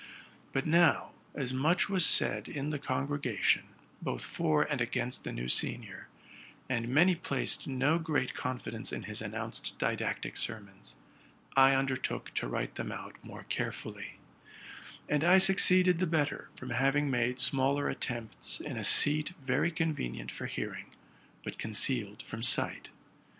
But now, as much was said in the congrega tion, both for and against the new senior, and many placed no great confidence in his announced didactic sermons, I undertook to write them out more carefully ; and I succeeded the better from having made smaller attempts in a seat very convenient for hearing, but concealed from sight.